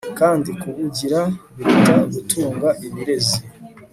kandi kubugira biruta gutunga ibirezi